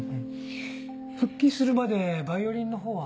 復帰するまでヴァイオリンの方は？